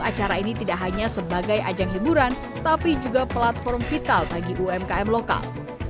acara ini tidak hanya sebagai ajang hiburan tapi juga platform vital bagi umkm lokal